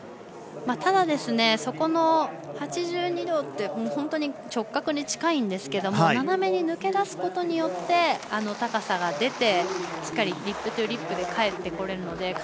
ただ、そこの８２度って本当に直角に近いんですけど斜めに抜け出すことによって高さが出てしっかりリップトゥリップで帰ってこれるので。